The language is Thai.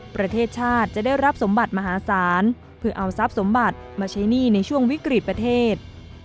ประเทศชาติจะได้รับสมบัติมหาศาลเพื่อเอาทรัพย์สมบัติมาใช้หนี้ในช่วงวิกฤตประเทศ